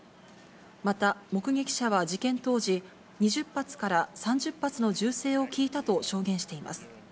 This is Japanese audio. また、目撃者は事件当時、２０発から３０発の銃声を聞いたと証言しています。